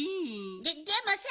ででもさ